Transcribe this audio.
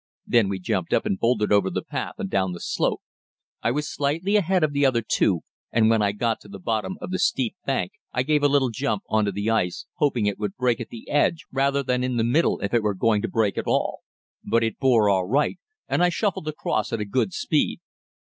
Then we jumped up and bolted over the path and down the slope. I was slightly ahead of the other two, and when I got to the bottom of the steep bank I gave a little jump on to the ice, hoping it would break at the edge rather than in the middle if it were going to break at all. But it bore all right, and I shuffled across at a good speed.